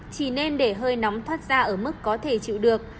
chỉ nên để hơi nóng thoát ra ở mức có thể chịu được